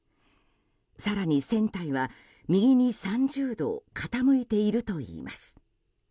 更に船体は右に３０度傾いているといいます。